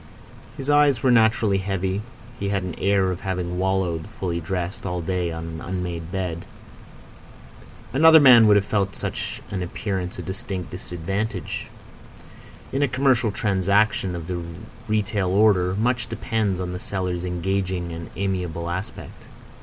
His eyes were naturally heavy; he had an air of having wallowed, fully dressed, all day on an unmade bed. Another man would have felt such an appearance a distinct disadvantage. In a commercial transaction of the retail order much depends on the seller's engaging and amiable aspect.